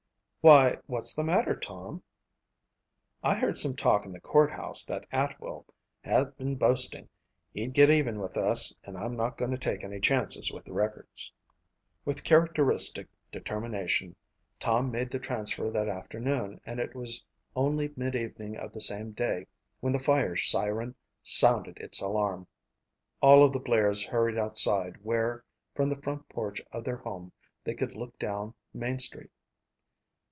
"Why, what's the matter, Tom?" "I heard some talk in the courthouse that Atwell had been boasting he'd get even with us and I'm not going to take any chances with the records." With characteristic determination Tom made the transfer that afternoon and it was only mid evening of the same day when the fire siren sounded its alarm. All of the Blairs hurried outside where, from the front porch of their home, they could look down main street.